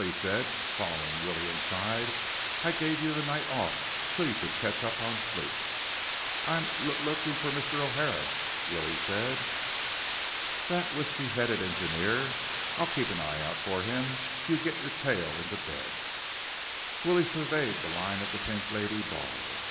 he said, following Willie inside. "I gave you the night off so you could catch up on sleep." "I'm l looking for Mr. O'Hara," Willie said. "That whisky head engineer? I'll keep an eye out for him. You get your tail into bed." Willie surveyed the line at the Pink Lady bar.